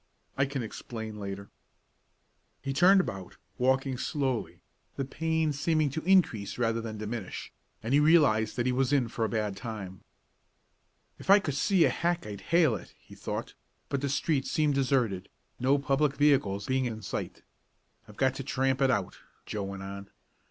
I can explain later." He turned about, walking slowly, the pain seeming to increase rather than diminish, and he realized that he was in for a bad time. "If I could see a hack I'd hail it," he thought, but the streets seemed deserted, no public vehicles being in sight. "I've got to tramp it out," Joe went on.